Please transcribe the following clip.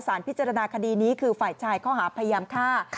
พิจารณาคดีนี้คือฝ่ายชายข้อหาพยายามฆ่า